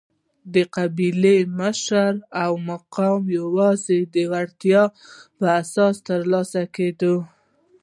د قبیلې مشرۍ مقام یوازې د وړتیا پر اساس ترلاسه کېده.